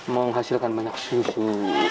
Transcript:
menghasilkan banyak susu